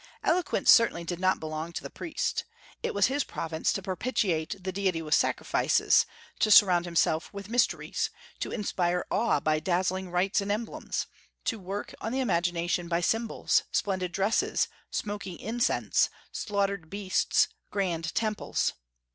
Eloquence certainly did not belong to the priest. It was his province to propitiate the Deity with sacrifices, to surround himself with mysteries, to inspire awe by dazzling rites and emblems, to work on the imagination by symbols, splendid dresses, smoking incense, slaughtered beasts, grand temples.